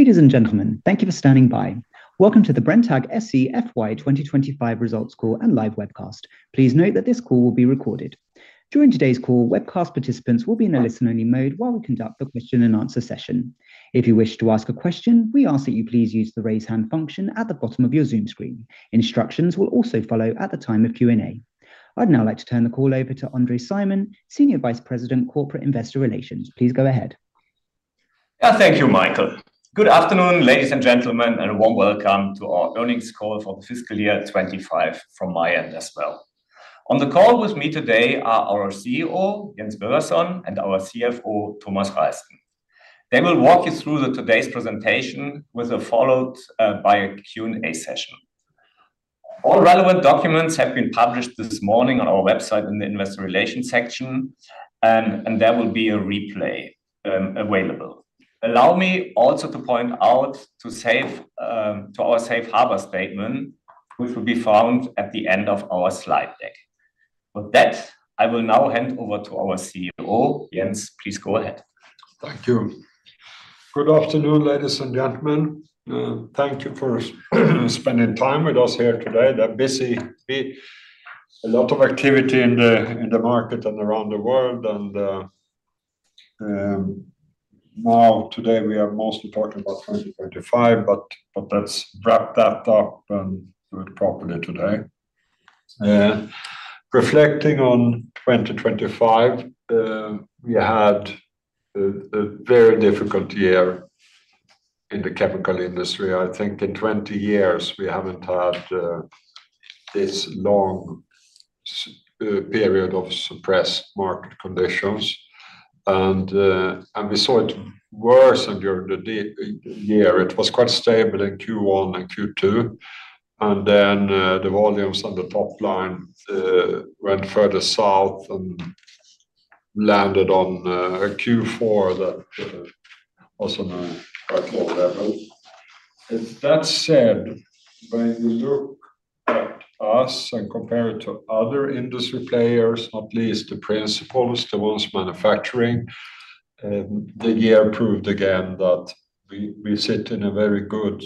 Ladies and gentlemen, thank you for standing by. Welcome to the Brenntag SE FY 2025 results call and live webcast. Please note that this call will be recorded. During today's call, webcast participants will be in a listen only mode while we conduct the question and answer session. If you wish to ask a question, we ask that you please use the raise hand function at the bottom of your Zoom screen. Instructions will also follow at the time of Q&A. I'd now like to turn the call over to André Simon, Senior Vice President Corporate Investor Relations. Please go ahead. Yeah. Thank you Michael. Good afternoon, ladies and gentlemen, and a warm welcome to our earnings call for the fiscal year 2025 from my end as well. On the call with me today are our COO, Christian Kohlpaintner, and our CFO, Thomas Reisten. They will walk you through today's presentation followed by a Q&A session. All relevant documents have been published this morning on our website in the investor relations section, and there will be a replay available. Allow me also to point out our safe harbor statement, which will be found at the end of our slide deck. With that, I will now hand over to our COO. Jens, please go ahead. Thank you. Good afternoon, ladies and gentlemen. Thank you for spending time with us here today. A lot of activity in the market and around the world, now today we are mostly talking about 2025, but let's wrap that up and do it properly today. Reflecting on 2025, we had a very difficult year in the chemical industry. I think in 20 years we haven't had this long period of suppressed market conditions. We saw it worsen during the year. It was quite stable in Q1 and Q2, and then the volumes on the top line went further south and landed on a Q4 that also now quite low level. With that said, when you look at us and compare it to other industry players, not least the principals, the ones manufacturing, the year proved again that we sit in a very good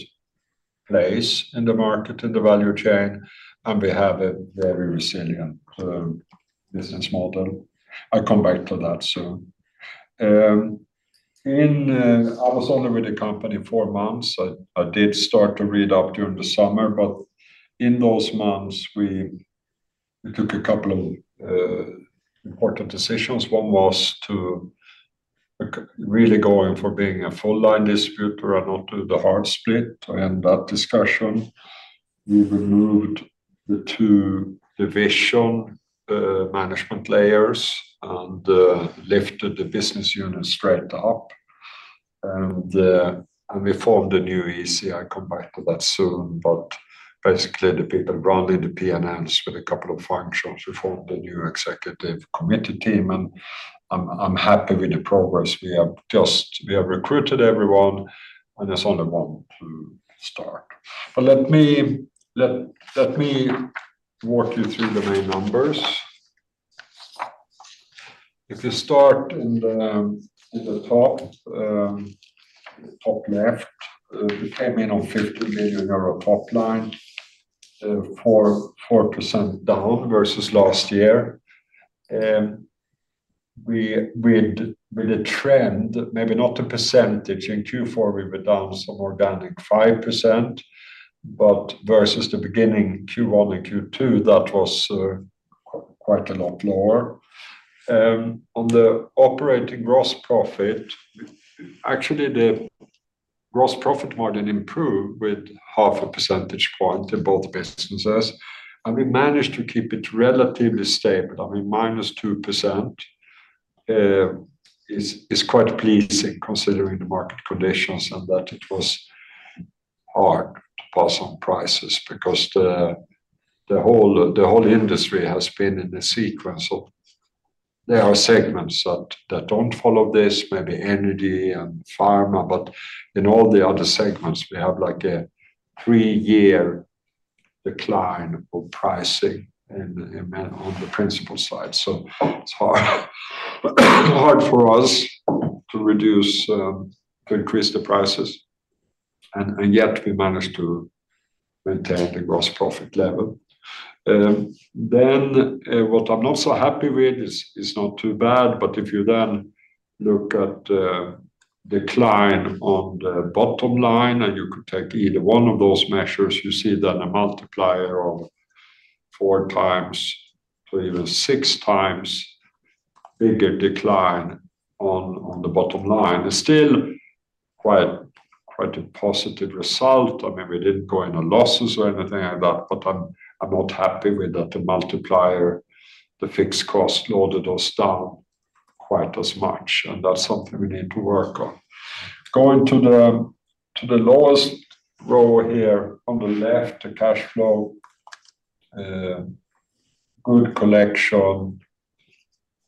place in the market, in the value chain, and we have a very resilient business model. I'll come back to that soon. I was only with the company four months. I did start to read up during the summer, but in those months we took a couple of important decisions. One was to really go in for being a full line distributor and not do the hard split and that discussion. We removed the two division management layers and lifted the business unit straight up. We formed a new EC. I'll come back to that soon, but basically the people running the PNLs with a couple of functions. We formed a new executive committee team, and I'm happy with the progress. We have recruited everyone, and there's only one to start. Let me walk you through the main numbers. If you start in the top left, we came in on 50 million euro top line, 4% down versus last year. We had a trend, maybe not a percentage. In Q4, we were down some organic 5%, but versus the beginning, Q1 and Q2, that was quite a lot lower. On the operating gross profit, actually, the gross profit margin improved with half a percentage point in both businesses, and we managed to keep it relatively stable. I mean, -2% is quite pleasing considering the market conditions and that it was hard to pass on prices because the whole industry has been in a sequence of. There are segments that don't follow this, maybe energy and Pharma, but in all the other segments, we have like a three-year decline of pricing on the principal side. It's hard for us to increase the prices and yet we managed to maintain the gross profit level. What I'm not so happy with is not too bad, but if you then look at decline on the bottom line, and you could take either one of those measures, you see then a multiplier of four times to even six times bigger decline on the bottom line. It's still quite a positive result. I mean, we didn't go into losses or anything like that, but I'm not happy with that the multiplier, the fixed cost loaded us down quite as much, and that's something we need to work on. Going to the lowest row here on the left, the cash flow, good collection,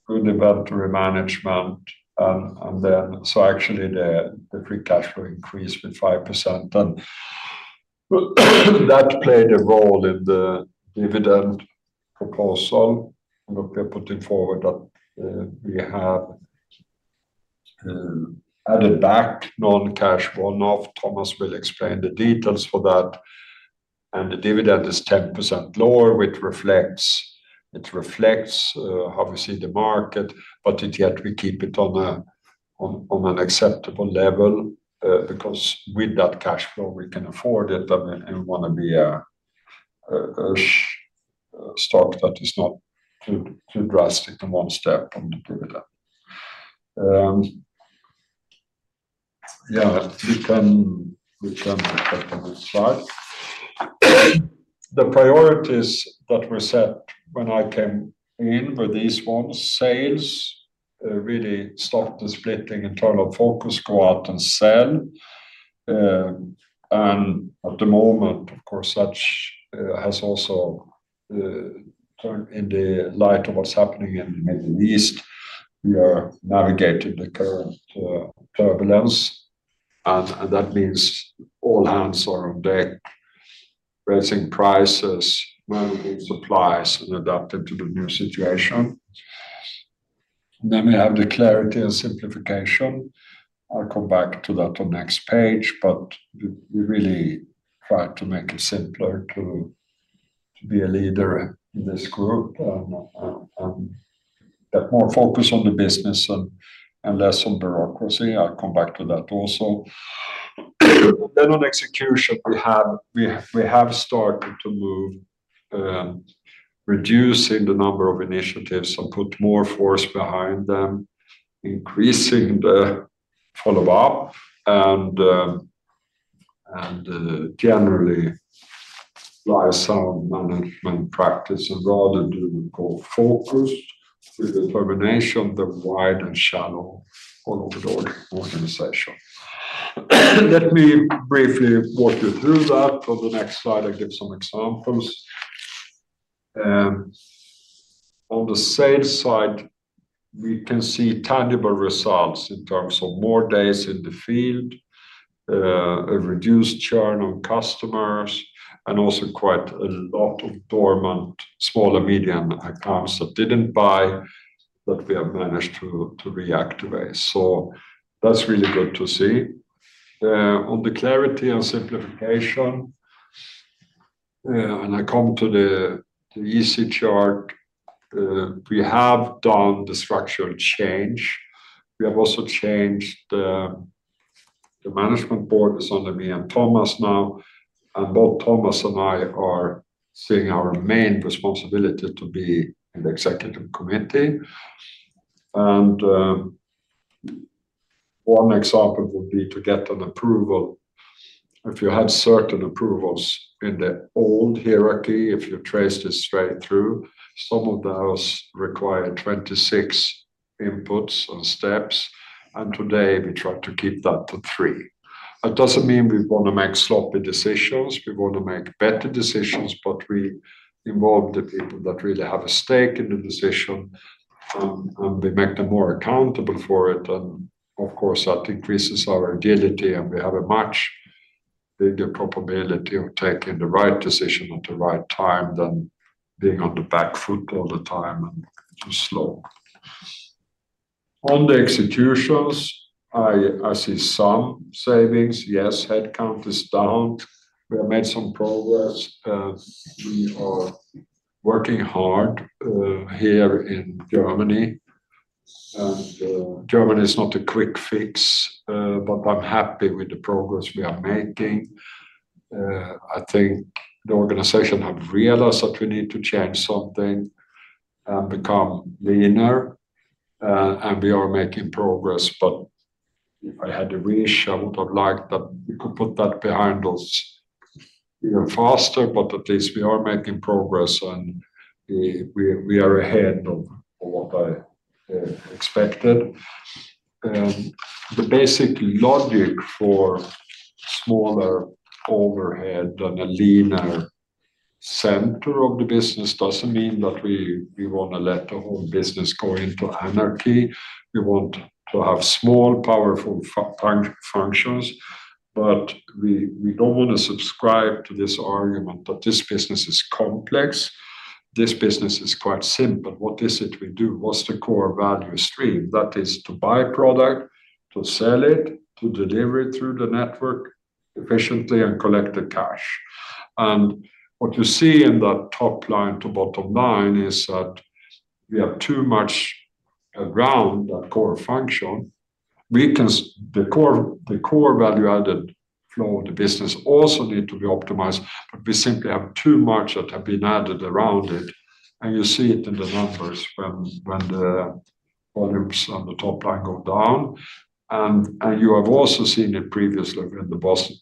good inventory management, and then actually the free cash flow increased with 5%. Well, that played a role in the dividend proposal. Look, we're putting forward that, we have added back non-cash one-off. Thomas will explain the details for that. The dividend is 10% lower, which reflects obviously the market, but yet we keep it on an acceptable level, because with that cash flow we can afford it and wanna be a stock that is not too drastic in one step on the dividend. We can go back one slide. The priorities that were set when I came in were these ones. Sales really stop the splitting internal focus, go out and sell. At the moment, of course, such has also turn in the light of what's happening in the Middle East, we are navigating the current turbulence. That means all hands are on deck, raising prices, managing supplies, and adapting to the new situation. We have the clarity and simplification. I'll come back to that on next page, but we really try to make it simpler to be a leader in this group and get more focus on the business and less on bureaucracy. I'll come back to that also. On execution, we have started to move, reducing the number of initiatives and put more force behind them, increasing the follow-up, and generally apply some management practice and rather do what we call focus through determination than wide and shallow all over the organization. Let me briefly walk you through that. On the next slide I give some examples. On the sales side, we can see tangible results in terms of more days in the field, a reduced churn on customers, and also quite a lot of dormant smaller medium accounts that didn't buy that we have managed to reactivate. That's really good to see. On the clarity and simplification, when I come to the EC chart, we have done the structural change. We have also changed. The management board is under me and Thomas now, and both Thomas and I are seeing our main responsibility to be in the executive committee. One example would be to get an approval. If you had certain approvals in the old hierarchy, if you traced it straight through, some of those required 26 inputs or steps, and today we try to keep that to three. That doesn't mean we wanna make sloppy decisions. We wanna make better decisions, but we involve the people that really have a stake in the decision, and we make them more accountable for it. Of course, that increases our agility, and we have a much bigger probability of taking the right decision at the right time than being on the back foot all the time and too slow. On the executions, I see some savings. Yes, headcount is down. We have made some progress. We are working hard here in Germany. Germany is not a quick fix, but I'm happy with the progress we are making. I think the organization have realized that we need to change something and become leaner. We are making progress, but if I had a wish, I would have liked that we could put that behind us even faster. At least we are making progress, and we are ahead of what I expected. The basic logic for smaller overhead and a leaner center of the business doesn't mean that we wanna let the whole business go into anarchy. We want to have small, powerful functions, but we don't wanna subscribe to this argument that this business is complex. This business is quite simple. What is it we do? What's the core value stream? That is to buy product, to sell it, to deliver it through the network efficiently, and collect the cash. What you see in that top line to bottom line is that we have too much around that core function. The core value-added flow of the business also need to be optimized, but we simply have too much that have been added around it. You see it in the numbers when the volumes on the top line go down. You have also seen it previously when the base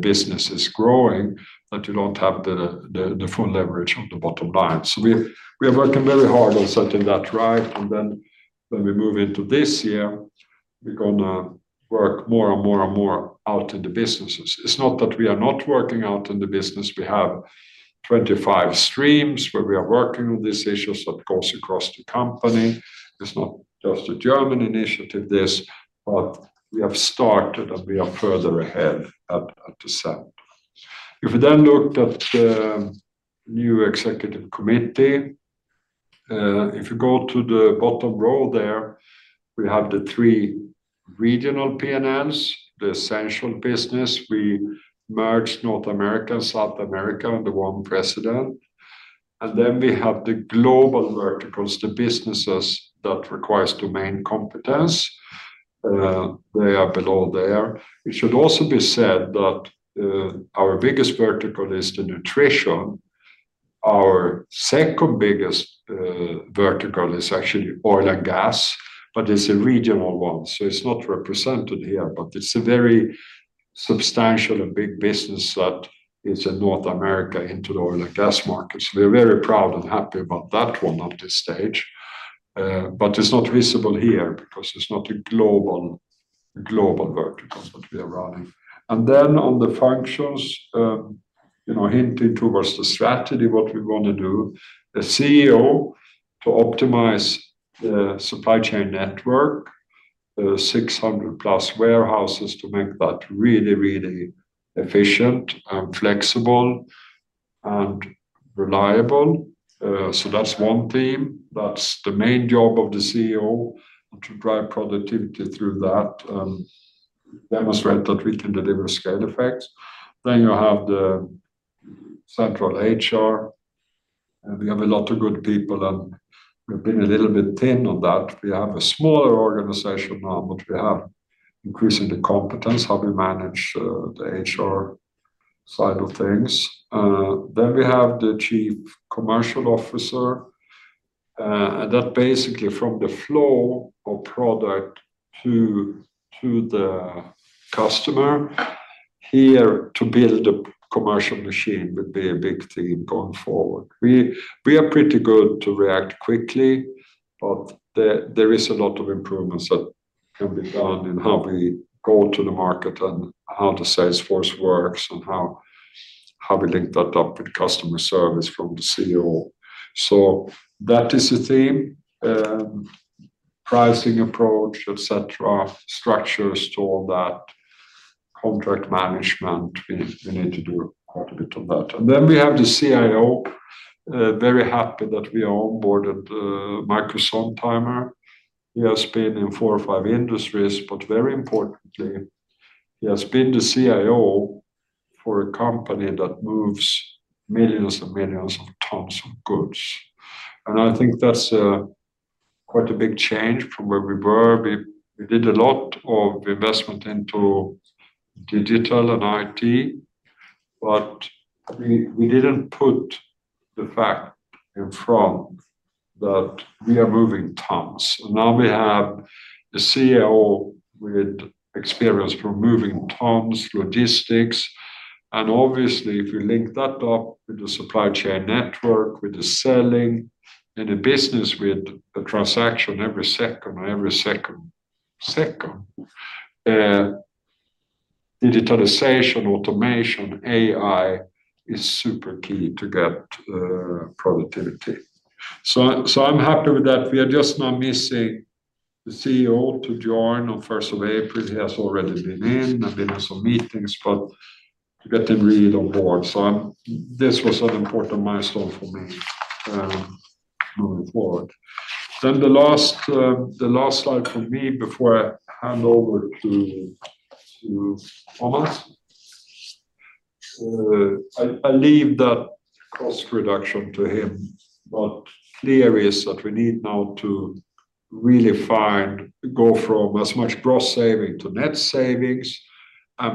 business is growing, that you don't have the full leverage on the bottom line. We are working very hard on setting that right. When we move into this year, we're gonna work more and more and more out in the businesses. It's not that we are not working out in the business. We have 25 streams where we are working on these issues that goes across the company. It's not just a German initiative, this. We have started and we are further ahead at the start. If you then looked at the new executive committee, if you go to the bottom row there, we have the three regional P&Ls, the Essentials business. We merged North America and South America under one president. Then we have the global verticals, the businesses that requires domain competence. They are below there. It should also be said that our biggest vertical is the Nutrition. Our second biggest vertical is actually oil and gas, but it's a regional one, so it's not represented here. It's a very substantial and big business that is in North America into the oil and gas markets. We're very proud and happy about that one at this stage. It's not visible here because it's not a global vertical that we are running. On the functions, you know, hinting towards the strategy, what we want to do, a CEO to optimize the supply chain network, the 600+ warehouses to make that really efficient and flexible and reliable. That's one theme. That's the main job of the CEO to drive productivity through that, demonstrate that we can deliver scale effects. You have the central HR, and we have a lot of good people, and we've been a little bit thin on that. We have a smaller organization now, but we are increasing the competence, how we manage, the HR side of things. We have the Chief Commercial Officer, and that basically from the flow of product to the customer here to build a commercial machine would be a big theme going forward. We are pretty good to react quickly, but there is a lot of improvements that can be done in how we go to the market and how the sales force works and how we link that up with customer service from the CEO. That is the theme, pricing approach, et cetera, structures to all that contract management. We need to do quite a bit of that. We have the CIO, very happy that we have onboarded Michael Friede. He has been in four or five industries, but very importantly, he has been the CIO for a company that moves millions and millions of tons of goods. I think that's quite a big change from where we were. We did a lot of investment into digital and IT, but we didn't put the fact in front that we are moving tons. Now we have a CIO with experience from moving tons, logistics. Obviously, if you link that up with the supply chain network, with the selling in a business with a transaction every second, digitalization, automation, AI is super key to get productivity. I'm happy with that. We are just now missing the CEO to join on first of April. He has already been in some meetings, but getting really on board. This was an important milestone for me, moving forward. The last slide for me before I hand over to Thomas. I leave that cost reduction to him. Clear is that we need now to really find, go from as much gross saving to net savings.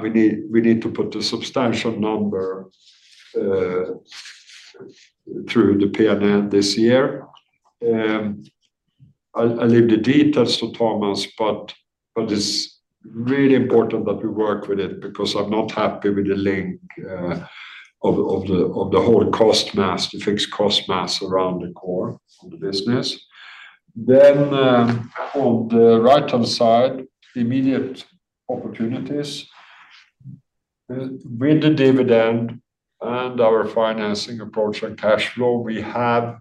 We need to put a substantial number through the PNL this year. I'll leave the details to Thomas, but it's really important that we work with it because I'm not happy with the link of the whole cost mass, the fixed cost mass around the core of the business. On the right-hand side, immediate opportunities. With the dividend and our financing approach and cash flow, we have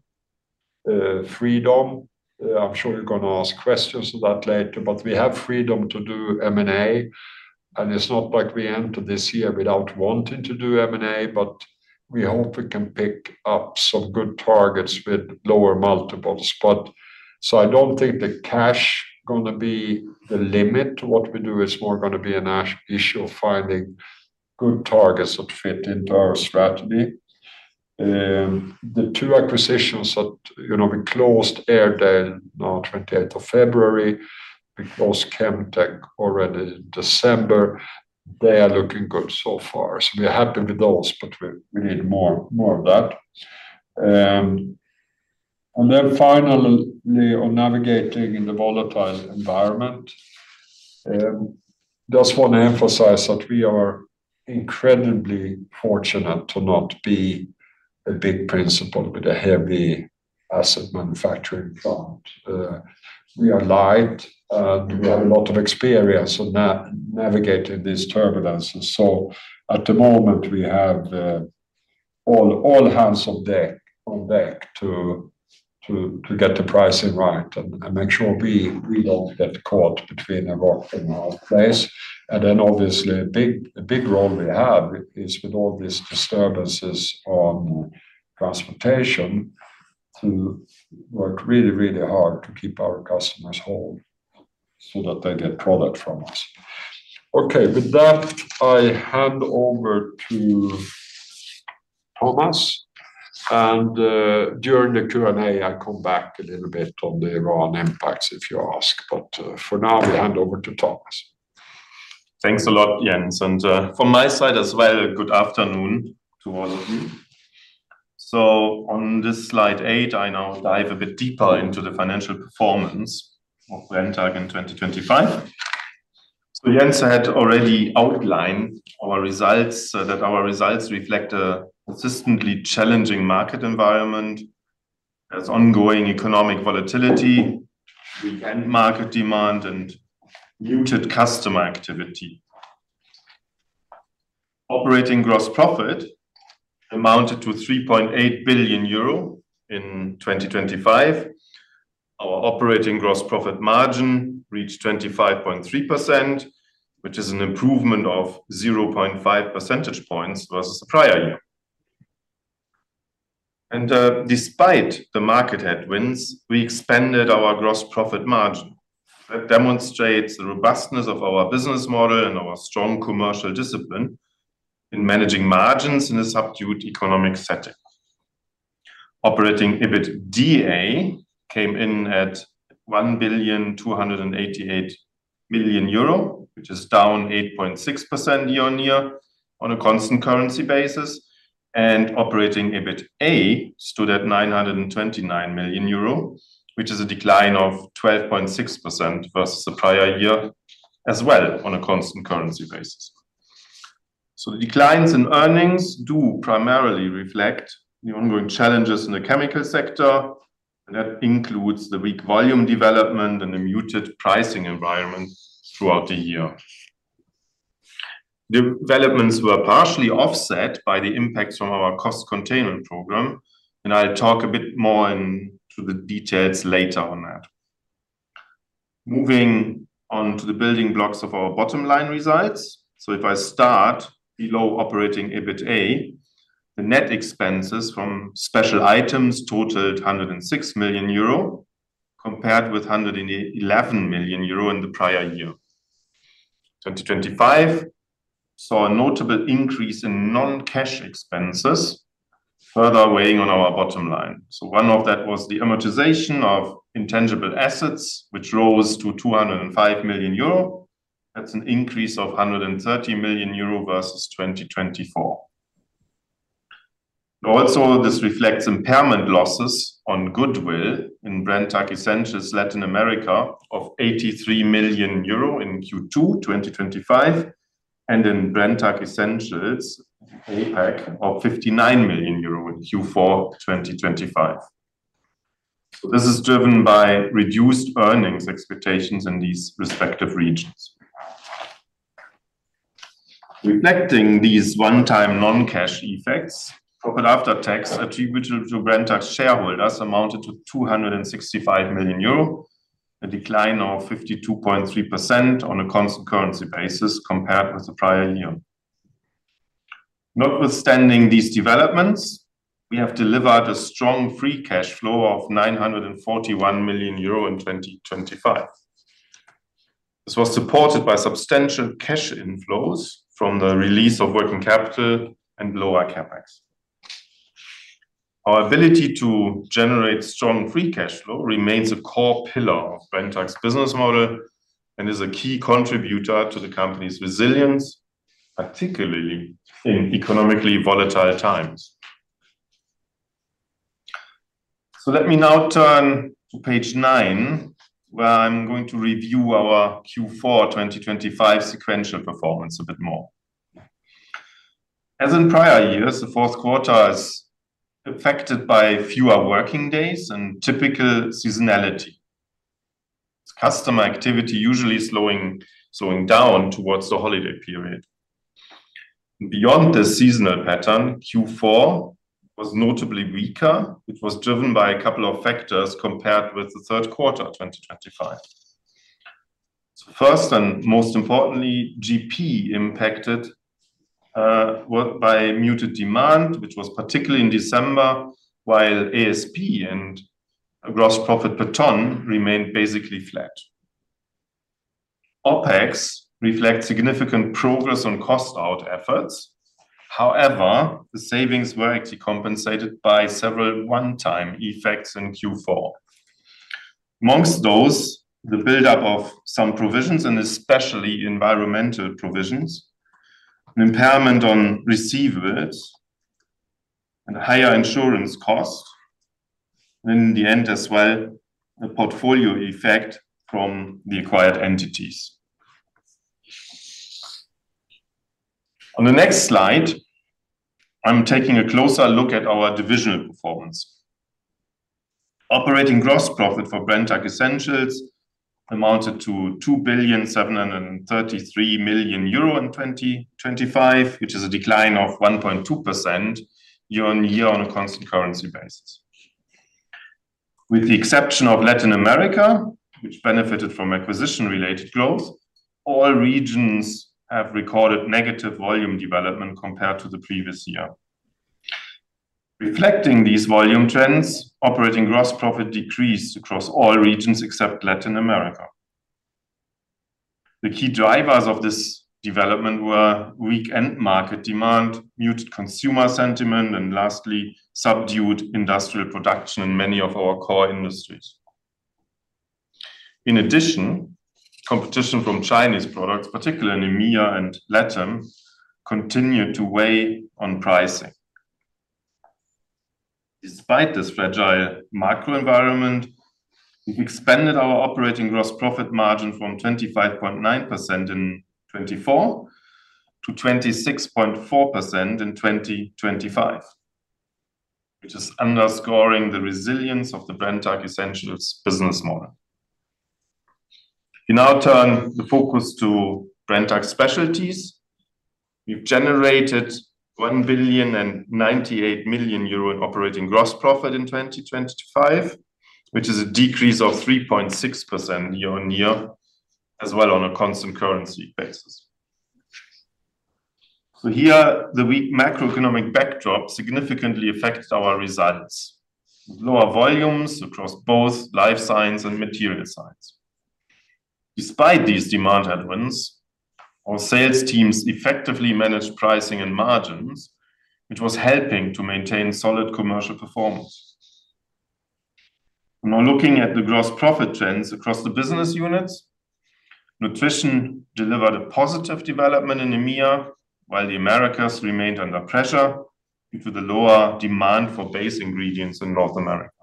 freedom. I'm sure you're gonna ask questions of that later, but we have freedom to do M&A. It's not like we enter this year without wanting to do M&A, but we hope we can pick up some good targets with lower multiples. I don't think the cash gonna be the limit to what we do. It's more gonna be an issue of finding good targets that fit into our strategy. The two acquisitions that, you know, we closed Airedale on 28th of February. We closed Chem Tech already in December. They are looking good so far. We're happy with those, but we need more of that. Finally on navigating in the volatile environment, just want to emphasize that we are incredibly fortunate to not be a big principal with a heavy asset manufacturing plant. We are light, and we have a lot of experience on navigating these turbulences. At the moment we have all hands on deck to get the pricing right and make sure we don't get caught between a rock and a hard place. Obviously a big role we have is with all these disturbances on transportation to work really hard to keep our customers whole so that they get product from us. Okay. With that, I hand over to Thomas, and during the Q&A I come back a little bit on the Iran impacts if you ask, but for now I hand over to Thomas. Thanks a lot Jens. From my side as well, good afternoon to all of you. On this slide eight, I now dive a bit deeper into the financial performance of Brenntag in 2025. Jens had already outlined our results that our results reflect a consistently challenging market environment as ongoing economic volatility, weak end market demand, and muted customer activity. Operating gross profit amounted to 3.8 billion euro in 2025. Our operating gross profit margin reached 25.3%, which is an improvement of 0.5 percentage points versus the prior year. Despite the market headwinds, we expanded our gross profit margin. That demonstrates the robustness of our business model and our strong commercial discipline in managing margins in a subdued economic setting. Operating EBITDA came in at 1,288 million euro, which is down 8.6% year-on-year on a constant currency basis, and Operating EBITA stood at 929 million euro, which is a decline of 12.6% versus the prior year as well on a constant currency basis. The declines in earnings do primarily reflect the ongoing challenges in the chemical sector, and that includes the weak volume development and the muted pricing environment throughout the year. The developments were partially offset by the impacts from our cost containment program, and I'll talk a bit more into the details later on that. Moving on to the building blocks of our bottom line results. If I start below operating EBITA, the net expenses from special items totaled 106 million euro, compared with 111 million euro in the prior year. 2025 saw a notable increase in non-cash expenses, further weighing on our bottom line. One of that was the amortization of intangible assets, which rose to 205 million euro. That's an increase of 130 million euro versus 2024. Also, this reflects impairment losses on goodwill in Brenntag Essentials Latin America of 83 million euro in Q2 2025, and in Brenntag Essentials APAC of 59 million euro in Q4 2025. This is driven by reduced earnings expectations in these respective regions. Reflecting these one-time non-cash effects, profit after tax attributable to Brenntag shareholders amounted to 265 million euro, a decline of 52.3% on a constant currency basis compared with the prior year. Notwithstanding these developments, we have delivered a strong free cash flow of 941 million euro in 2025. This was supported by substantial cash inflows from the release of working capital and lower CapEx. Our ability to generate strong free cash flow remains a core pillar of Brenntag's business model and is a key contributor to the company's resilience, particularly in economically volatile times. Let me now turn to page nine, where I'm going to review our Q4 2025 sequential performance a bit more. As in prior years, the fourth quarter is affected by fewer working days and typical seasonality. It's customer activity usually slowing down towards the holiday period. Beyond the seasonal pattern, Q4 was notably weaker, which was driven by a couple of factors compared with the third quarter of 2025. First and most importantly, GP impacted, well by muted demand, which was particularly in December, while ASP and gross profit per ton remained basically flat. OpEx reflect significant progress on cost-out efforts. However, the savings were actually compensated by several one-time effects in Q4. Amongst those, the buildup of some provisions, and especially environmental provisions, an impairment on receivables and higher insurance costs. In the end as well, a portfolio effect from the acquired entities. On the next slide, I'm taking a closer look at our divisional performance. Operating gross profit for Brenntag Essentials amounted to 2.733 billion in 2025, which is a decline of 1.2% year-on-year on a constant currency basis. With the exception of Latin America, which benefited from acquisition-related growth, all regions have recorded negative volume development compared to the previous year. Reflecting these volume trends, operating gross profit decreased across all regions except Latin America. The key drivers of this development were weak end market demand, muted consumer sentiment, and lastly, subdued industrial production in many of our core industries. In addition, competition from Chinese products, particularly in EMEA and LATAM, continued to weigh on pricing. Despite this fragile macro environment, we've expanded our operating gross profit margin from 25.9% in 2024 to 26.4% in 2025, which is underscoring the resilience of the Brenntag Essentials business model. We now turn the focus to Brenntag Specialties. We've generated 1.098 billion in operating gross profit in 2025, which is a decrease of 3.6% year-on-year as well on a constant currency basis. Here, the weak macroeconomic backdrop significantly affects our results with lower volumes across both Life Science and Material Science. Despite these demand headwinds, our sales teams effectively managed pricing and margins, which was helping to maintain solid commercial performance. Now looking at the gross profit trends across the business units, Nutrition delivered a positive development in EMEA, while the Americas remained under pressure due to the lower demand for base ingredients in North America.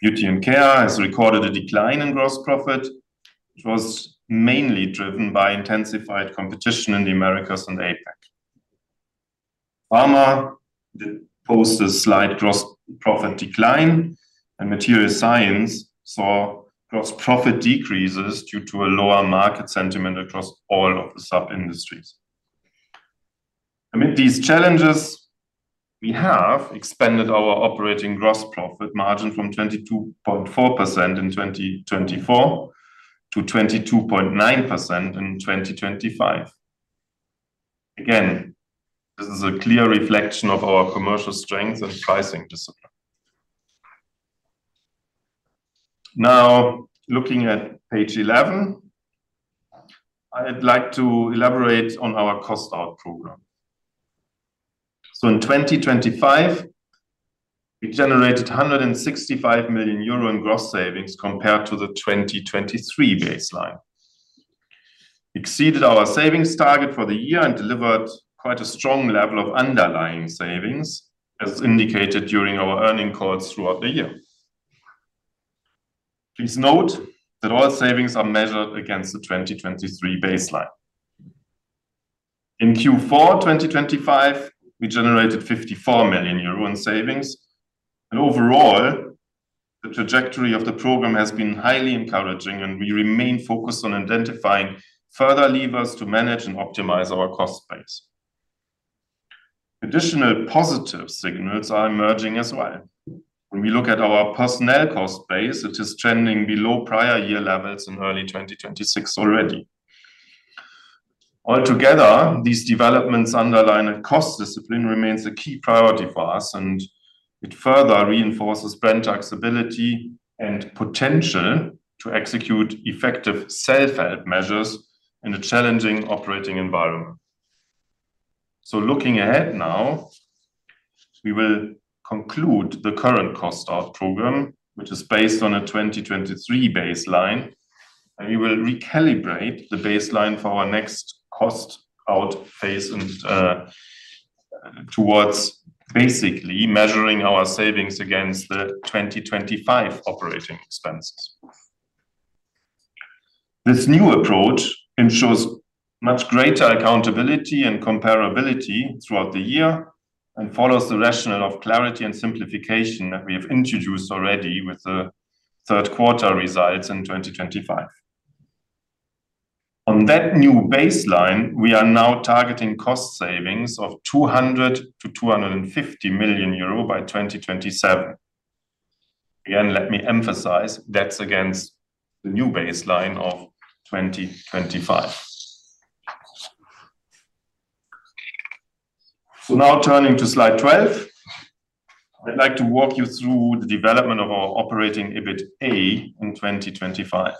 Beauty & Care has recorded a decline in gross profit, which was mainly driven by intensified competition in the Americas and the APAC. Pharma did post a slight gross profit decline, and Material Science saw gross profit decreases due to a lower market sentiment across all of the sub-industries. Amid these challenges, we have expanded our operating gross profit margin from 22.4% in 2024 to 22.9% in 2025. Again, this is a clear reflection of our commercial strength and pricing discipline. Now, looking at page 11, I'd like to elaborate on our cost out program. In 2025, we generated 165 million euro in gross savings compared to the 2023 baseline. Exceeded our savings target for the year and delivered quite a strong level of underlying savings as indicated during our earnings calls throughout the year. Please note that all savings are measured against the 2023 baseline. In Q4 2025, we generated 54 million euro in savings. Overall, the trajectory of the program has been highly encouraging, and we remain focused on identifying further levers to manage and optimize our cost base. Additional positive signals are emerging as well. When we look at our personnel cost base, it is trending below prior year levels in early 2026 already. Altogether, these developments underline that cost discipline remains a key priority for us, and it further reinforces Brenntag's ability and potential to execute effective self-help measures in a challenging operating environment. Looking ahead now, we will conclude the current cost out program, which is based on a 2023 baseline, and we will recalibrate the baseline for our next cost out phase and towards basically measuring our savings against the 2025 operating expenses. This new approach ensures much greater accountability and comparability throughout the year and follows the rationale of clarity and simplification that we have introduced already with the third quarter results in 2025. On that new baseline, we are now targeting cost savings of 200-250 million euro by 2027. Again, let me emphasize, that's against the new baseline of 2025. Now turning to slide 12, I'd like to walk you through the development of our operating EBITA in 2025.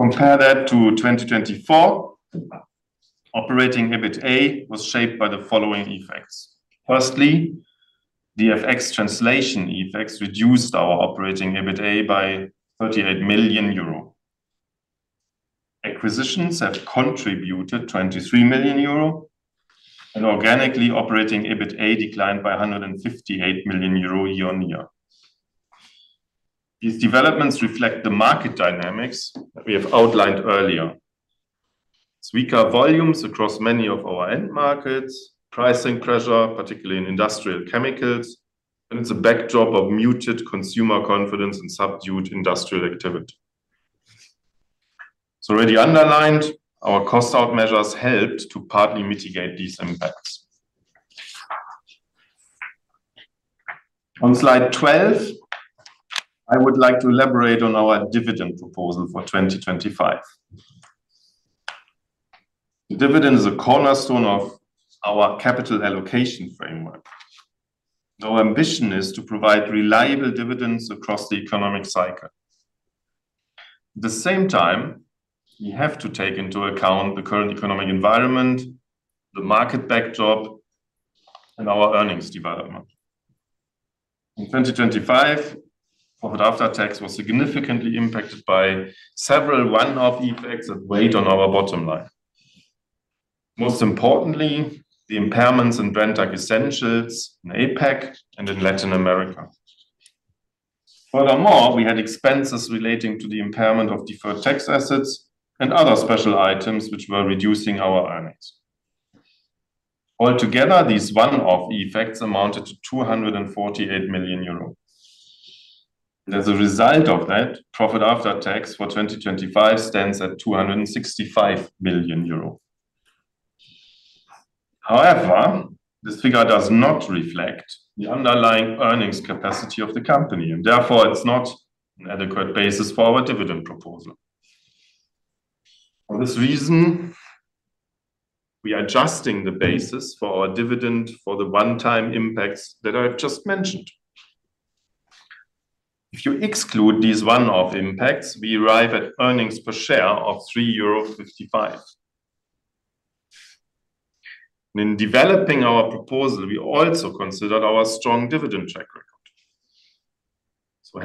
Compared to 2024, operating EBITA was shaped by the following effects. Firstly, the FX translation effects reduced our operating EBITA by 38 million euro. Acquisitions have contributed 23 million euro, and organically operating EBITA declined by 158 million euro year-on-year. These developments reflect the market dynamics that we have outlined earlier. Weaker volumes across many of our end markets, pricing pressure, particularly in industrial chemicals, and against a backdrop of muted consumer confidence and subdued industrial activity. As already underlined, our cost out measures helped to partly mitigate these impacts. On slide 12, I would like to elaborate on our dividend proposal for 2025. Dividend is a cornerstone of our capital allocation framework. Our ambition is to provide reliable dividends across the economic cycle. At the same time, we have to take into account the current economic environment, the market backdrop, and our earnings development. In 2025, profit after tax was significantly impacted by several one-off effects that weighed on our bottom line. Most importantly, the impairments in Brenntag Essentials in APAC and in Latin America. Furthermore, we had expenses relating to the impairment of deferred tax assets and other special items which were reducing our earnings. Altogether, these one-off effects amounted to 248 million euros. As a result of that, profit after tax for 2025 stands at 265 million euro. However, this figure does not reflect the underlying earnings capacity of the company, and therefore it's not an adequate basis for our dividend proposal. For this reason, we are adjusting the basis for our dividend for the one-time impacts that I've just mentioned. If you exclude these one-off impacts, we arrive at earnings per share of 3.55 euro. In developing our proposal, we also considered our strong dividend track record.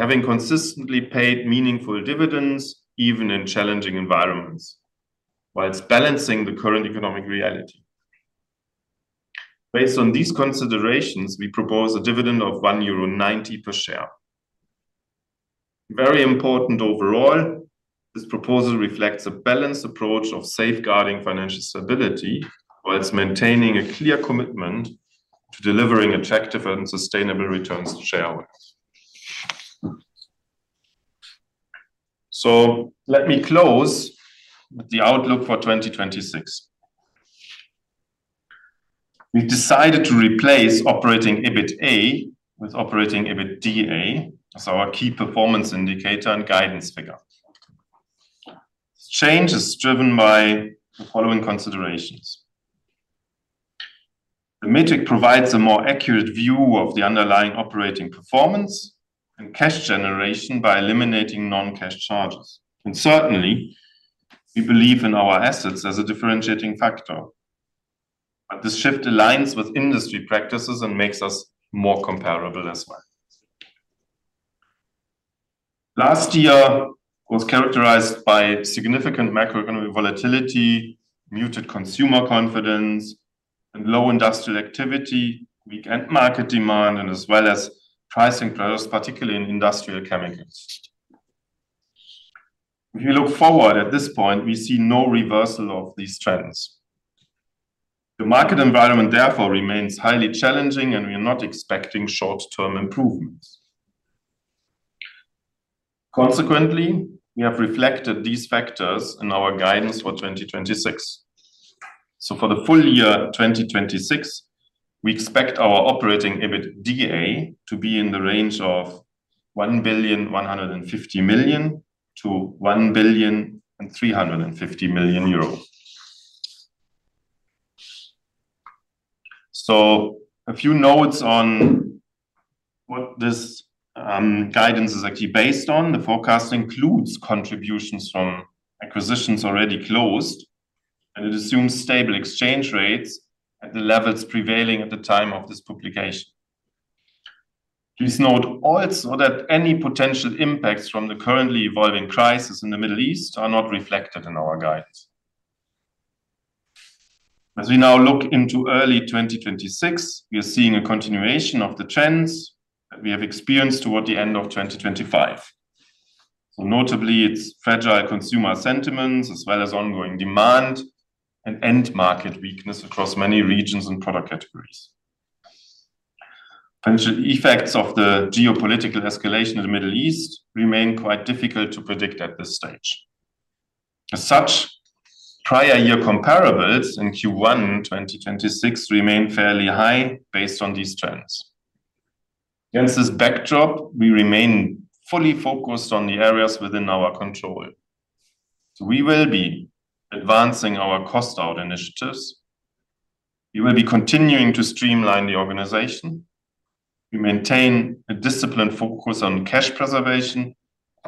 Having consistently paid meaningful dividends even in challenging environments while balancing the current economic reality. Based on these considerations, we propose a dividend of 1.90 euro per share. Very important, overall, this proposal reflects a balanced approach of safeguarding financial stability while maintaining a clear commitment to delivering attractive and sustainable returns to shareholders. Let me close with the outlook for 2026. We've decided to replace operating EBITA with operating EBITDA as our key performance indicator and guidance figure. This change is driven by the following considerations. The metric provides a more accurate view of the underlying operating performance and cash generation by eliminating non-cash charges. Certainly, we believe in our assets as a differentiating factor. This shift aligns with industry practices and makes us more comparable as well. Last year was characterized by significant macroeconomic volatility, muted consumer confidence, and low industrial activity, weak end market demand, and as well as pricing pressures, particularly in industrial chemicals. If you look forward, at this point, we see no reversal of these trends. The market environment therefore remains highly challenging, and we are not expecting short-term improvements. Consequently, we have reflected these factors in our guidance for 2026. For the full year 2026, we expect our Operating EBITDA to be in the range of 1.15 billion-1.35 billion. A few notes on what this guidance is actually based on. The forecast includes contributions from acquisitions already closed, and it assumes stable exchange rates at the levels prevailing at the time of this publication. Please note also that any potential impacts from the currently evolving crisis in the Middle East are not reflected in our guidance. As we now look into early 2026, we are seeing a continuation of the trends that we have experienced toward the end of 2025. Notably, it's fragile consumer sentiments as well as ongoing demand and end market weakness across many regions and product categories. Potential effects of the geopolitical escalation in the Middle East remain quite difficult to predict at this stage. As such, prior year comparables in Q1 2026 remain fairly high based on these trends. Against this backdrop, we remain fully focused on the areas within our control. We will be advancing our cost out initiatives. We will be continuing to streamline the organization. We maintain a disciplined focus on cash preservation.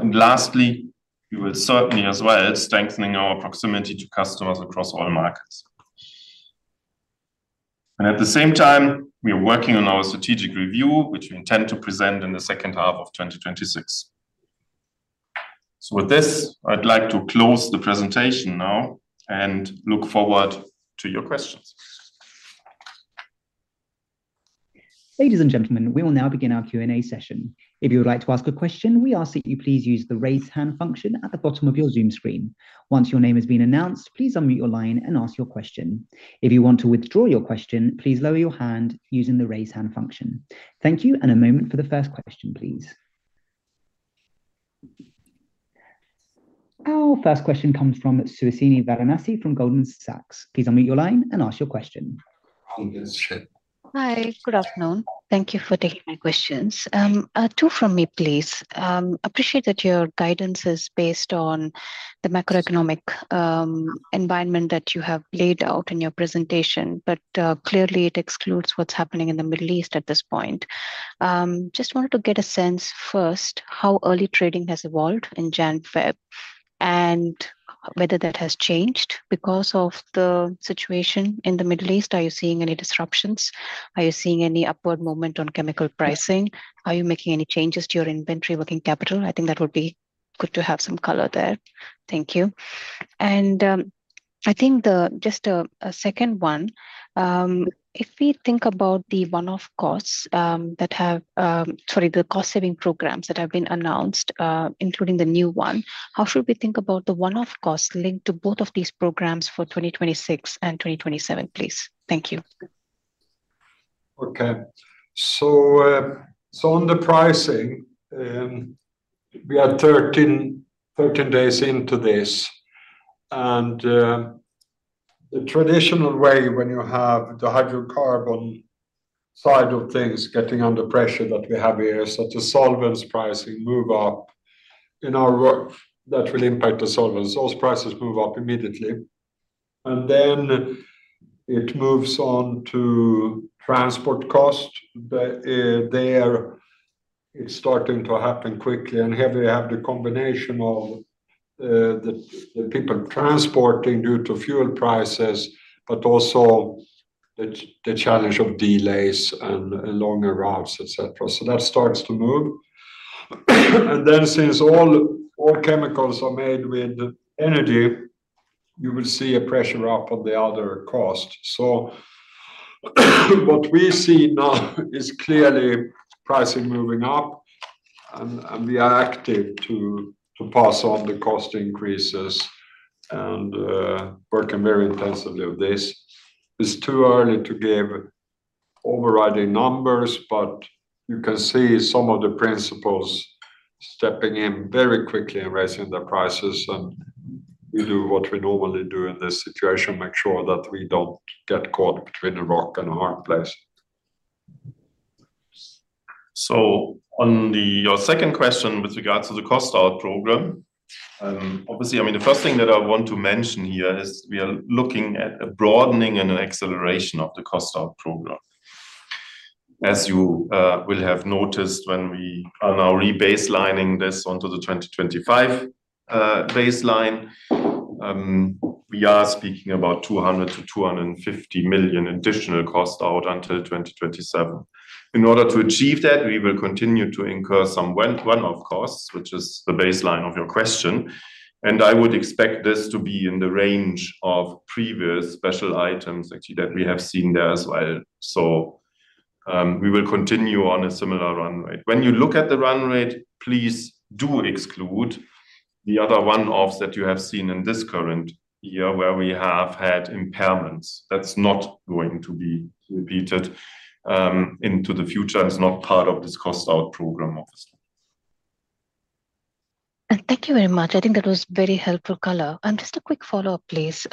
Lastly, we will certainly as well strengthening our proximity to customers across all markets. At the same time, we are working on our strategic review, which we intend to present in the second half of 2026. With this, I'd like to close the presentation now and look forward to your questions. Ladies and gentlemen, we will now begin our Q&A session. If you would like to ask a question, we ask that you please use the Raise Hand function at the bottom of your Zoom screen. Once your name has been announced, please unmute your line and ask your question. If you want to withdraw your question, please lower your hand using the Raise Hand function. Thank you, and a moment for the first question, please. Our first question comes from Suhasini Varanasi from Goldman Sachs. Please unmute your line and ask your question. Hi. Good afternoon. Thank you for taking my questions. Two from me, please. Appreciate that your guidance is based on the macroeconomic environment that you have laid out in your presentation, but clearly it excludes what's happening in the Middle East at this point. Just wanted to get a sense first how early trading has evolved in Jan/Feb and whether that has changed because of the situation in the Middle East. Are you seeing any disruptions? Are you seeing any upward movement on chemical pricing? Are you making any changes to your inventory working capital? I think that would be good to have some color there. Thank you. I think a second one, if we think about the one-off costs that have. Sorry, the cost-saving programs that have been announced, including the new one, how should we think about the one-off costs linked to both of these programs for 2026 and 2027, please? Thank you. On the pricing, we are 13 days into this. The traditional way when you have the hydrocarbon side of things getting under pressure that we have here, such as solvents pricing move up, in our work that will impact the solvents. Those prices move up immediately. It moves on to transport costs. There it's starting to happen quickly, and here we have the combination of the people transporting due to fuel prices, but also the challenge of delays and longer routes, et cetera. That starts to move. Since all chemicals are made with energy, you will see a pressure up on the other costs. What we see now is clearly pricing moving up and we are active to pass on the cost increases and working very intensively with this. It's too early to give overriding numbers, but you can see some of the principals stepping in very quickly and raising their prices, and we do what we normally do in this situation, make sure that we don't get caught between a rock and a hard place. On your second question with regards to the cost out program, obviously, I mean, the first thing that I want to mention here is we are looking at a broadening and an acceleration of the cost out program. As you will have noticed when we are now rebaselining this onto the 2025 baseline, we are speaking about 200-250 million additional cost out until 2027. In order to achieve that, we will continue to incur some one-off costs, which is the baseline of your question, and I would expect this to be in the range of previous special items actually that we have seen there as well. We will continue on a similar run rate. When you look at the run rate, please do exclude the other one-offs that you have seen in this current year where we have had impairments. That's not going to be repeated into the future and is not part of this cost out program, obviously. Thank you very much. I think that was very helpful color. Just a quick follow-up, please.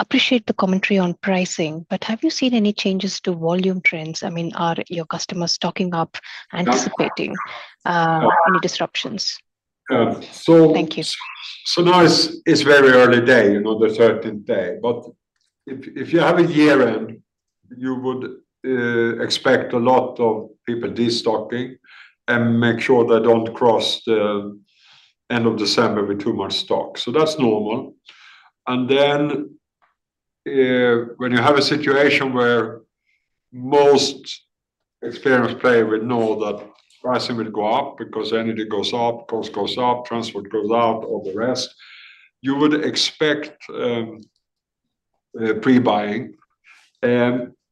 Appreciate the commentary on pricing, but have you seen any changes to volume trends? I mean, are your customers stocking up? Yeah Anticipating any disruptions? Yeah. Thank you. Now it's very early days, you know, the 13th day. If you have a year-end, you would expect a lot of people destocking and make sure they don't cross the end of December with too much stock. That's normal. When you have a situation where most experienced players would know that pricing will go up because energy goes up, cost goes up, transport goes up, all the rest, you would expect pre-buying.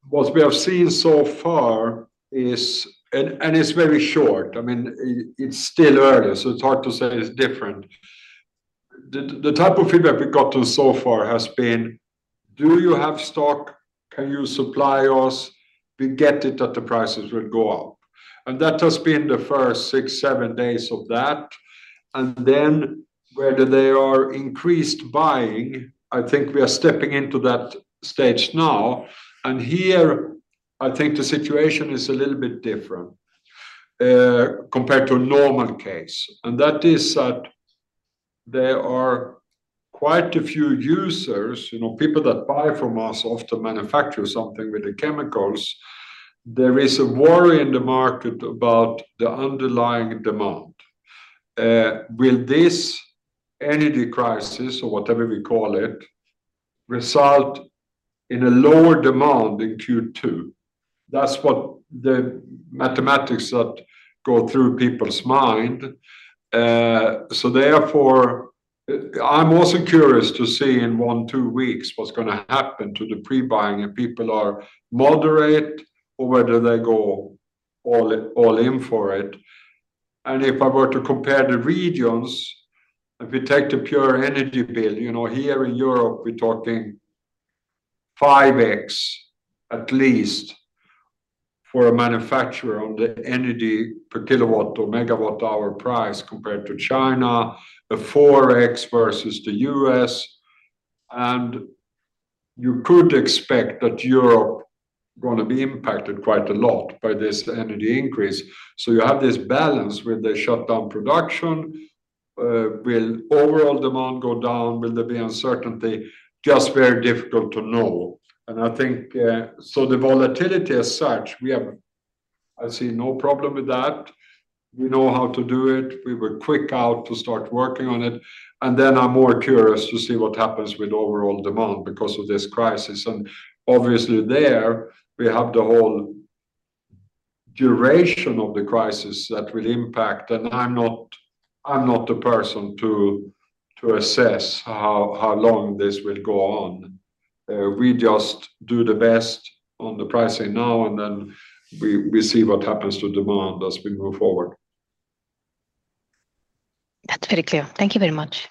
What we have seen so far is. It's very short. I mean, it's still early, it's hard to say it's different. The type of feedback we got so far has been, "Do you have stock? Can you supply us? We get it that the prices will go up." That has been the first six, seven days of that. Whether there are increased buying, I think we are stepping into that stage now. Here I think the situation is a little bit different, compared to a normal case, and that is that there are quite a few users, you know, people that buy from us often manufacture something with the chemicals. There is a worry in the market about the underlying demand. Will this energy crisis or whatever we call it result in a lower demand in Q2? That's what the math that go through people's mind. Therefore, I'm also curious to see in one, two weeks what's gonna happen to the pre-buying if people are moderate or whether they go all in for it. If I were to compare the regions, if you take the pure energy bill, you know, here in Europe we're talking 5x at least for a manufacturer on the energy per KW or MW hour price compared to China, the 4x versus the US, and you could expect that Europe gonna be impacted quite a lot by this energy increase. You have this balance where they shut down production. Will overall demand go down? Will there be uncertainty? Just very difficult to know. I think, the volatility as such, we have. I see no problem with that. We know how to do it. We were quick out to start working on it. Then I'm more curious to see what happens with overall demand because of this crisis. Obviously there we have the whole duration of the crisis that will impact, and I'm not the person to assess how long this will go on. We just do the best on the pricing now, and then we see what happens to demand as we move forward. That's very clear. Thank you very much.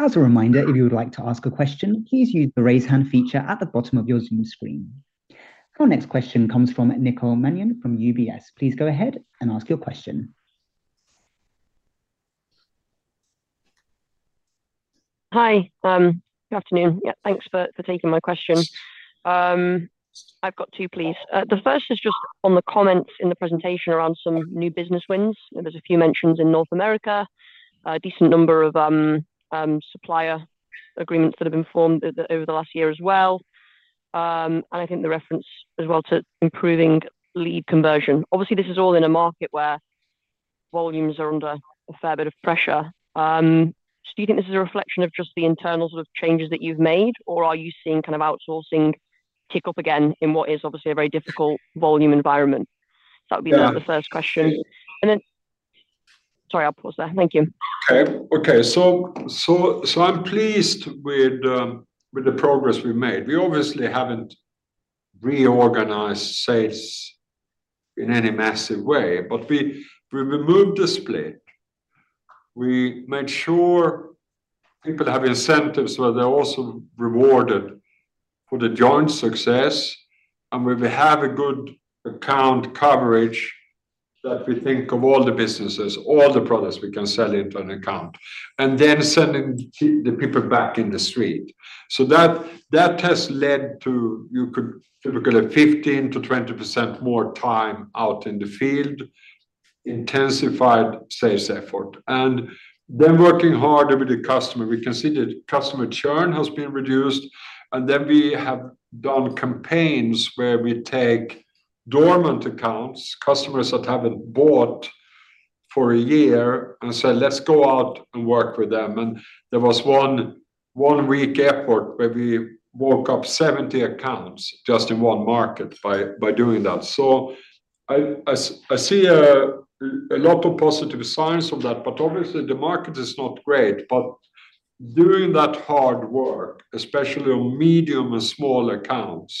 As a reminder, if you would like to ask a question, please use the Raise Hand feature at the bottom of your Zoom screen. Our next question comes from Nicole Manion from UBS. Please go ahead and ask your question. Hi. Good afternoon. Yeah, thanks for taking my question. I've got two, please. The first is just on the comments in the presentation around some new business wins. There was a few mentions in North America, a decent number of supplier agreements that have been formed over the last year as well, and I think the reference as well to improving lead conversion. Obviously this is all in a market where volumes are under a fair bit of pressure. Do you think this is a reflection of just the internal sort of changes that you've made, or are you seeing kind of outsourcing pick up again in what is obviously a very difficult volume environment? That would be the first question. Sorry, I'll pause there. Thank you. Okay. I'm pleased with the progress we've made. We obviously haven't reorganized sales in any massive way, but we removed the split. We made sure people have incentives where they're also rewarded for the joint success, and we have a good account coverage that we think of all the businesses, all the products we can sell into an account, and then sending the people back in the street. That has led to you could look at a 15%-20% more time out in the field, intensified sales effort. Working harder with the customer. We can see that customer churn has been reduced, and then we have done campaigns where we take dormant accounts, customers that haven't bought for a year and say, "Let's go out and work with them." There was one week effort where we woke up 70 accounts just in one market by doing that. I see a lot of positive signs from that, but obviously the market is not great. Doing that hard work, especially on medium and small accounts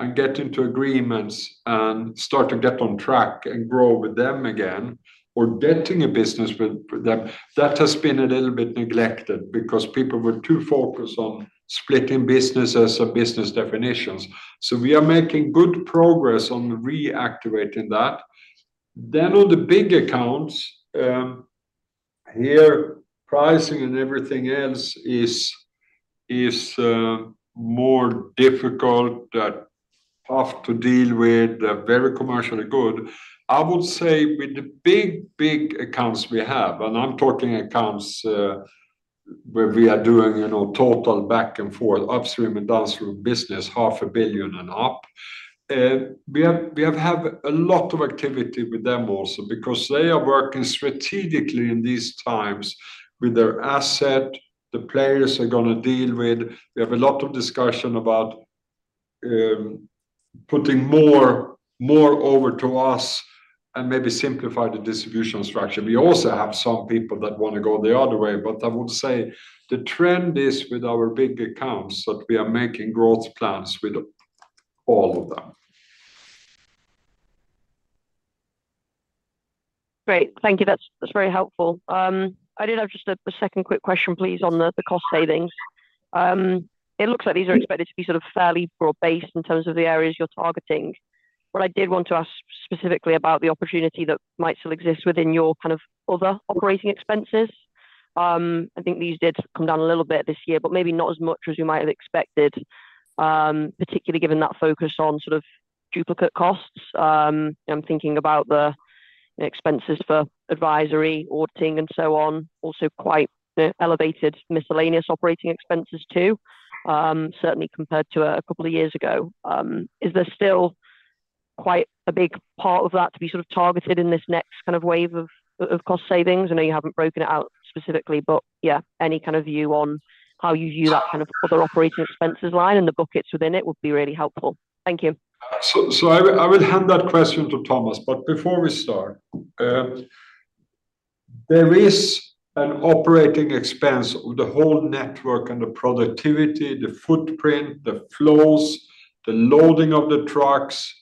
and getting to agreements and starting to get on track and grow with them again or getting a business with them, that has been a little bit neglected because people were too focused on splitting businesses or business definitions. We are making good progress on reactivating that. On the big accounts, here pricing and everything else is more difficult, tough to deal with. They're very commercially good. I would say with the big accounts we have, and I'm talking accounts where we are doing, you know, total back and forth upstream and downstream business, EUR half a billion and up, we have had a lot of activity with them also because they are working strategically in these times with their asset the players are gonna deal with. We have a lot of discussion about putting more over to us and maybe simplify the distribution structure. We also have some people that wanna go the other way, but I would say the trend is with our big accounts, that we are making growth plans with all of them. Great. Thank you. That's very helpful. I did have just a second quick question please on the cost savings. It looks like these are expected to be sort of fairly broad-based in terms of the areas you're targeting. What I did want to ask specifically about the opportunity that might still exist within your kind of other operating expenses. I think these did come down a little bit this year, but maybe not as much as you might have expected, particularly given that focus on sort of duplicate costs. I'm thinking about the expenses for advisory auditing and so on. Also quite the elevated miscellaneous operating expenses too, certainly compared to a couple of years ago. Is there still quite a big part of that to be sort of targeted in this next kind of wave of cost savings? I know you haven't broken it out specifically, but yeah, any kind of view on how you view that kind of other operating expenses line and the buckets within it would be really helpful. Thank you. I will hand that question to Thomas. Before we start, there is an operating expense of the whole network and the productivity, the footprint, the flows, the loading of the trucks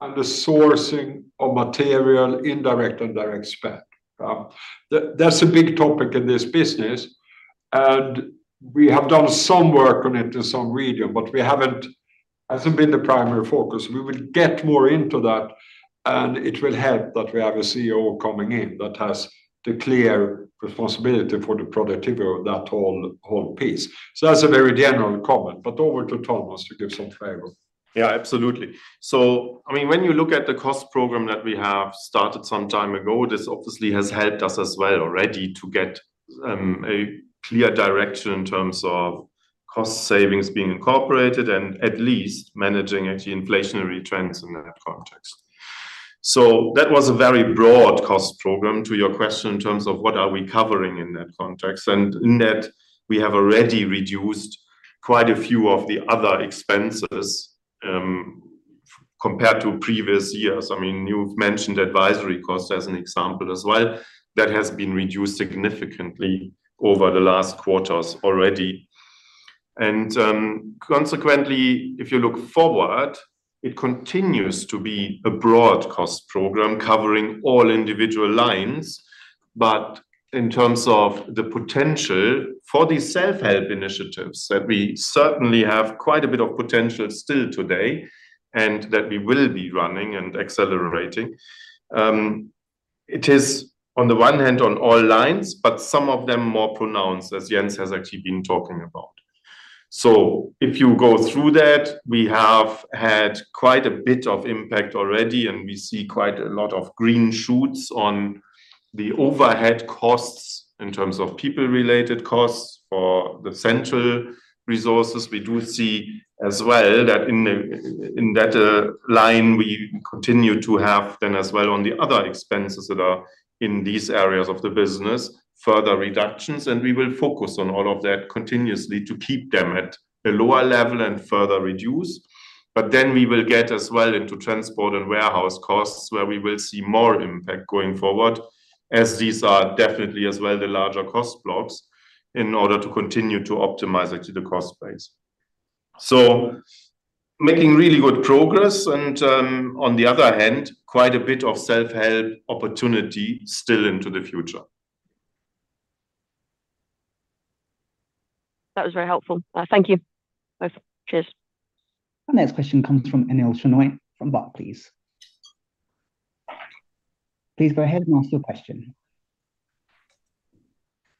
and the sourcing of material, indirect and direct spend. That's a big topic in this business, and we have done some work on it in some region, but it hasn't been the primary focus. We will get more into that, and it will help that we have a COO coming in that has the clear responsibility for the productivity of that whole piece. That's a very general comment. Over to Thomas to give some flavor. Yeah, absolutely. I mean, when you look at the cost program that we have started some time ago, this obviously has helped us as well already to get a clear direction in terms of cost savings being incorporated and at least managing actually inflationary trends in that context. That was a very broad cost program to your question in terms of what are we covering in that context. In that, we have already reduced quite a few of the other expenses compared to previous years. I mean, you've mentioned advisory costs as an example as well. That has been reduced significantly over the last quarters already. Consequently, if you look forward, it continues to be a broad cost program covering all individual lines. In terms of the potential for these self-help initiatives, that we certainly have quite a bit of potential still today, and that we will be running and accelerating. It is on the one hand on all lines, but some of them more pronounced, as Jens has actually been talking about. If you go through that, we have had quite a bit of impact already, and we see quite a lot of green shoots on the overhead costs in terms of people-related costs for the central resources. We do see as well that in that line, we continue to have then as well on the other expenses that are in these areas of the business, further reductions, and we will focus on all of that continuously to keep them at a lower level and further reduce. We will get as well into transport and warehouse costs where we will see more impact going forward as these are definitely as well the larger cost blocks in order to continue to optimize actually the cost base. Making really good progress and, on the other hand, quite a bit of self-help opportunity still into the future. That was very helpful. Thank you both. Cheers. Our next question comes from Anil Shenoy from Barclays. Please go ahead and ask your question.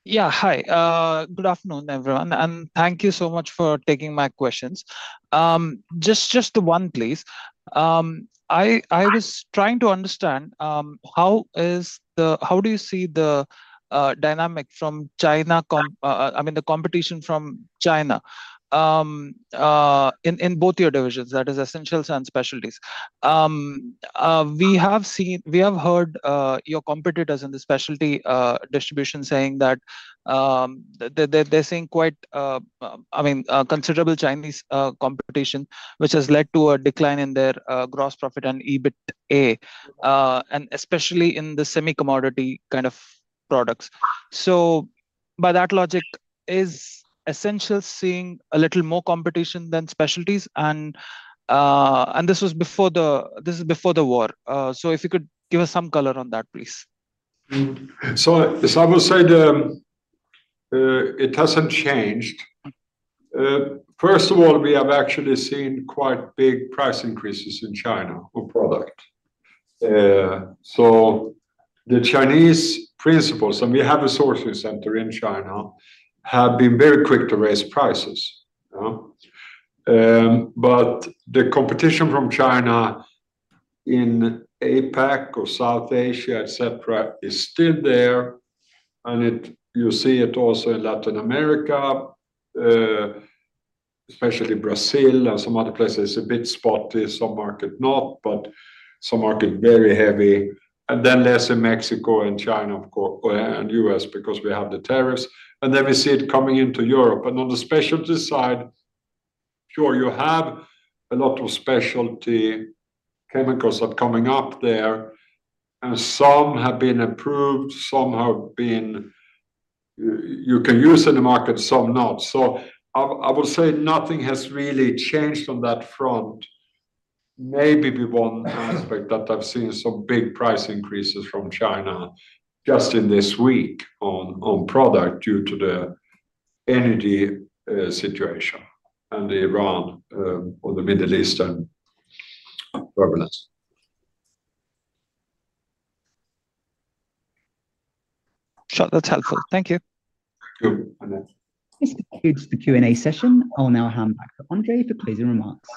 Yeah. Hi. Good afternoon, everyone, and thank you so much for taking my questions. Just one, please. I was trying to understand how do you see the dynamic from China. I mean, the competition from China in both your divisions, that is Essentials and Specialties. We have seen, we have heard your competitors in the Specialties distribution saying that they're seeing quite considerable Chinese competition, which has led to a decline in their gross profit and EBITA, and especially in the semi-commodity kind of products. By that logic, is Essentials seeing a little more competition than Specialties, and this is before the war? If you could give us some color on that, please. I would say it hasn't changed. First of all, we have actually seen quite big price increases in China on product. The Chinese principals, and we have a sourcing center in China, have been very quick to raise prices, you know? The competition from China in APAC or South Asia, et cetera, is still there. You see it also in Latin America, especially Brazil and some other places, a bit spotty, some market not, but some market very heavy. Less in Mexico and China of course, and U.S. because we have the tariffs. We see it coming into Europe. On the specialty side, sure, you have a lot of specialty chemicals are coming up there, and some have been approved, some have been, you can use in the market, some not. I would say nothing has really changed on that front. Maybe the one aspect that I've seen some big price increases from China just in this week on product due to the energy situation and Iran, or the Middle Eastern governance. Sure. That's helpful. Thank you. Cool. Thanks. This concludes the Q&A session. I'll now hand back to André to close your remarks.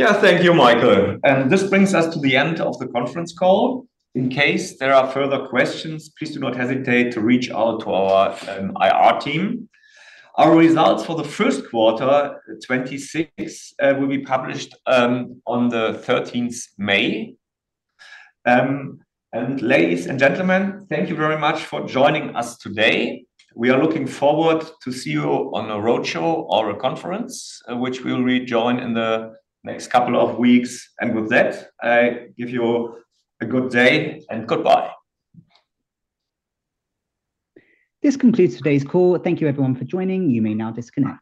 Yeah. Thank you Michael. This brings us to the end of the conference call. In case there are further questions, please do not hesitate to reach out to our IR team. Our results for the first quarter 2026 will be published on the thirteenth May. Ladies and gentlemen, thank you very much for joining us today. We are looking forward to see you on a roadshow or a conference which we'll rejoin in the next couple of weeks. With that, I give you a good day, and goodbye. This concludes today's call. Thank you everyone for joining. You may now disconnect.